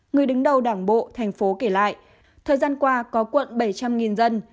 người đứng đầu đảng bộ thành phố kể lại thời gian qua có quận bảy trăm linh dân